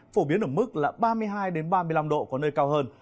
phổ biến ở mức là ba mươi hai ba mươi năm độ có nơi cao hơn